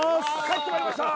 帰ってまいりました